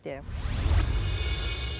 dengan beralihnya ke